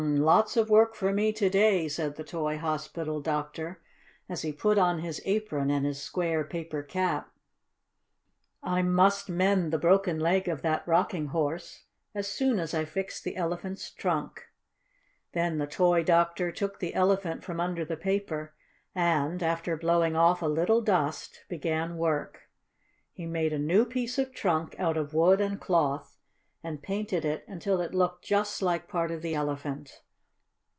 "Hum, lots of work for me to day!" said the toy hospital doctor, as he put on his apron and his square, paper cap. "I must mend the broken leg of that Rocking Horse as soon as I fix the Elephant's trunk." Then the toy doctor took the Elephant from under the paper and, after blowing off a little dust, began work. He made a new piece of trunk out of wood and cloth, and painted it until it looked just like part of the Elephant.